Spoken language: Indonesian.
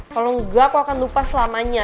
kalau enggak aku akan lupa selama lamanya